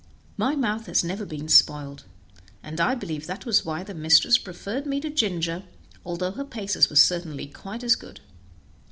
My mouth has never been spoiled, and I believe that was why the mistress preferred me to Ginger, although her paces were certainly quite as good.